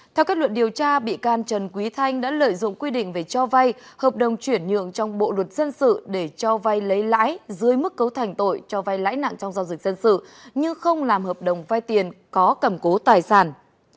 theo kết luận điều tra bị can trần quý thanh đã lợi dụng quy định về cho vay hợp đồng chuyển nhượng trong bộ luật dân sự để cho vay lấy lãi dưới mức cấu thành tội cho vai lãi nặng trong giao dịch dân sự nhưng không làm hợp đồng vai tiền có cầm cố tài sản